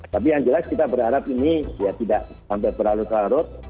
tapi yang jelas kita berharap ini ya tidak sampai berlarut larut